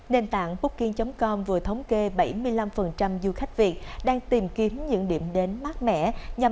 nền tảng booking com vừa thống kê bảy mươi năm du khách việt đang tìm kiếm những điểm đến mát mẻ nhằm